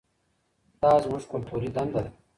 دا زموږ کلتوري دنده ده.